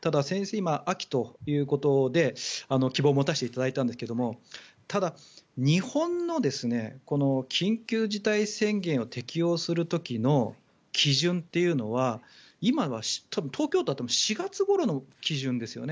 今、秋ということで希望を持たせていただいたんですがただ、日本の緊急事態宣言を適用する時の基準というのは今は東京都は４月ごろの基準ですよね。